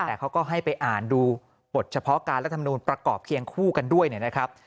แต่เขาก็ให้ไปอ่านดูบทเฉพาะการรัฐมนูลประกอบเคียงคู่กันด้วยนะครับ